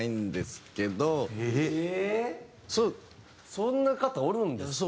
そんな方おるんですか？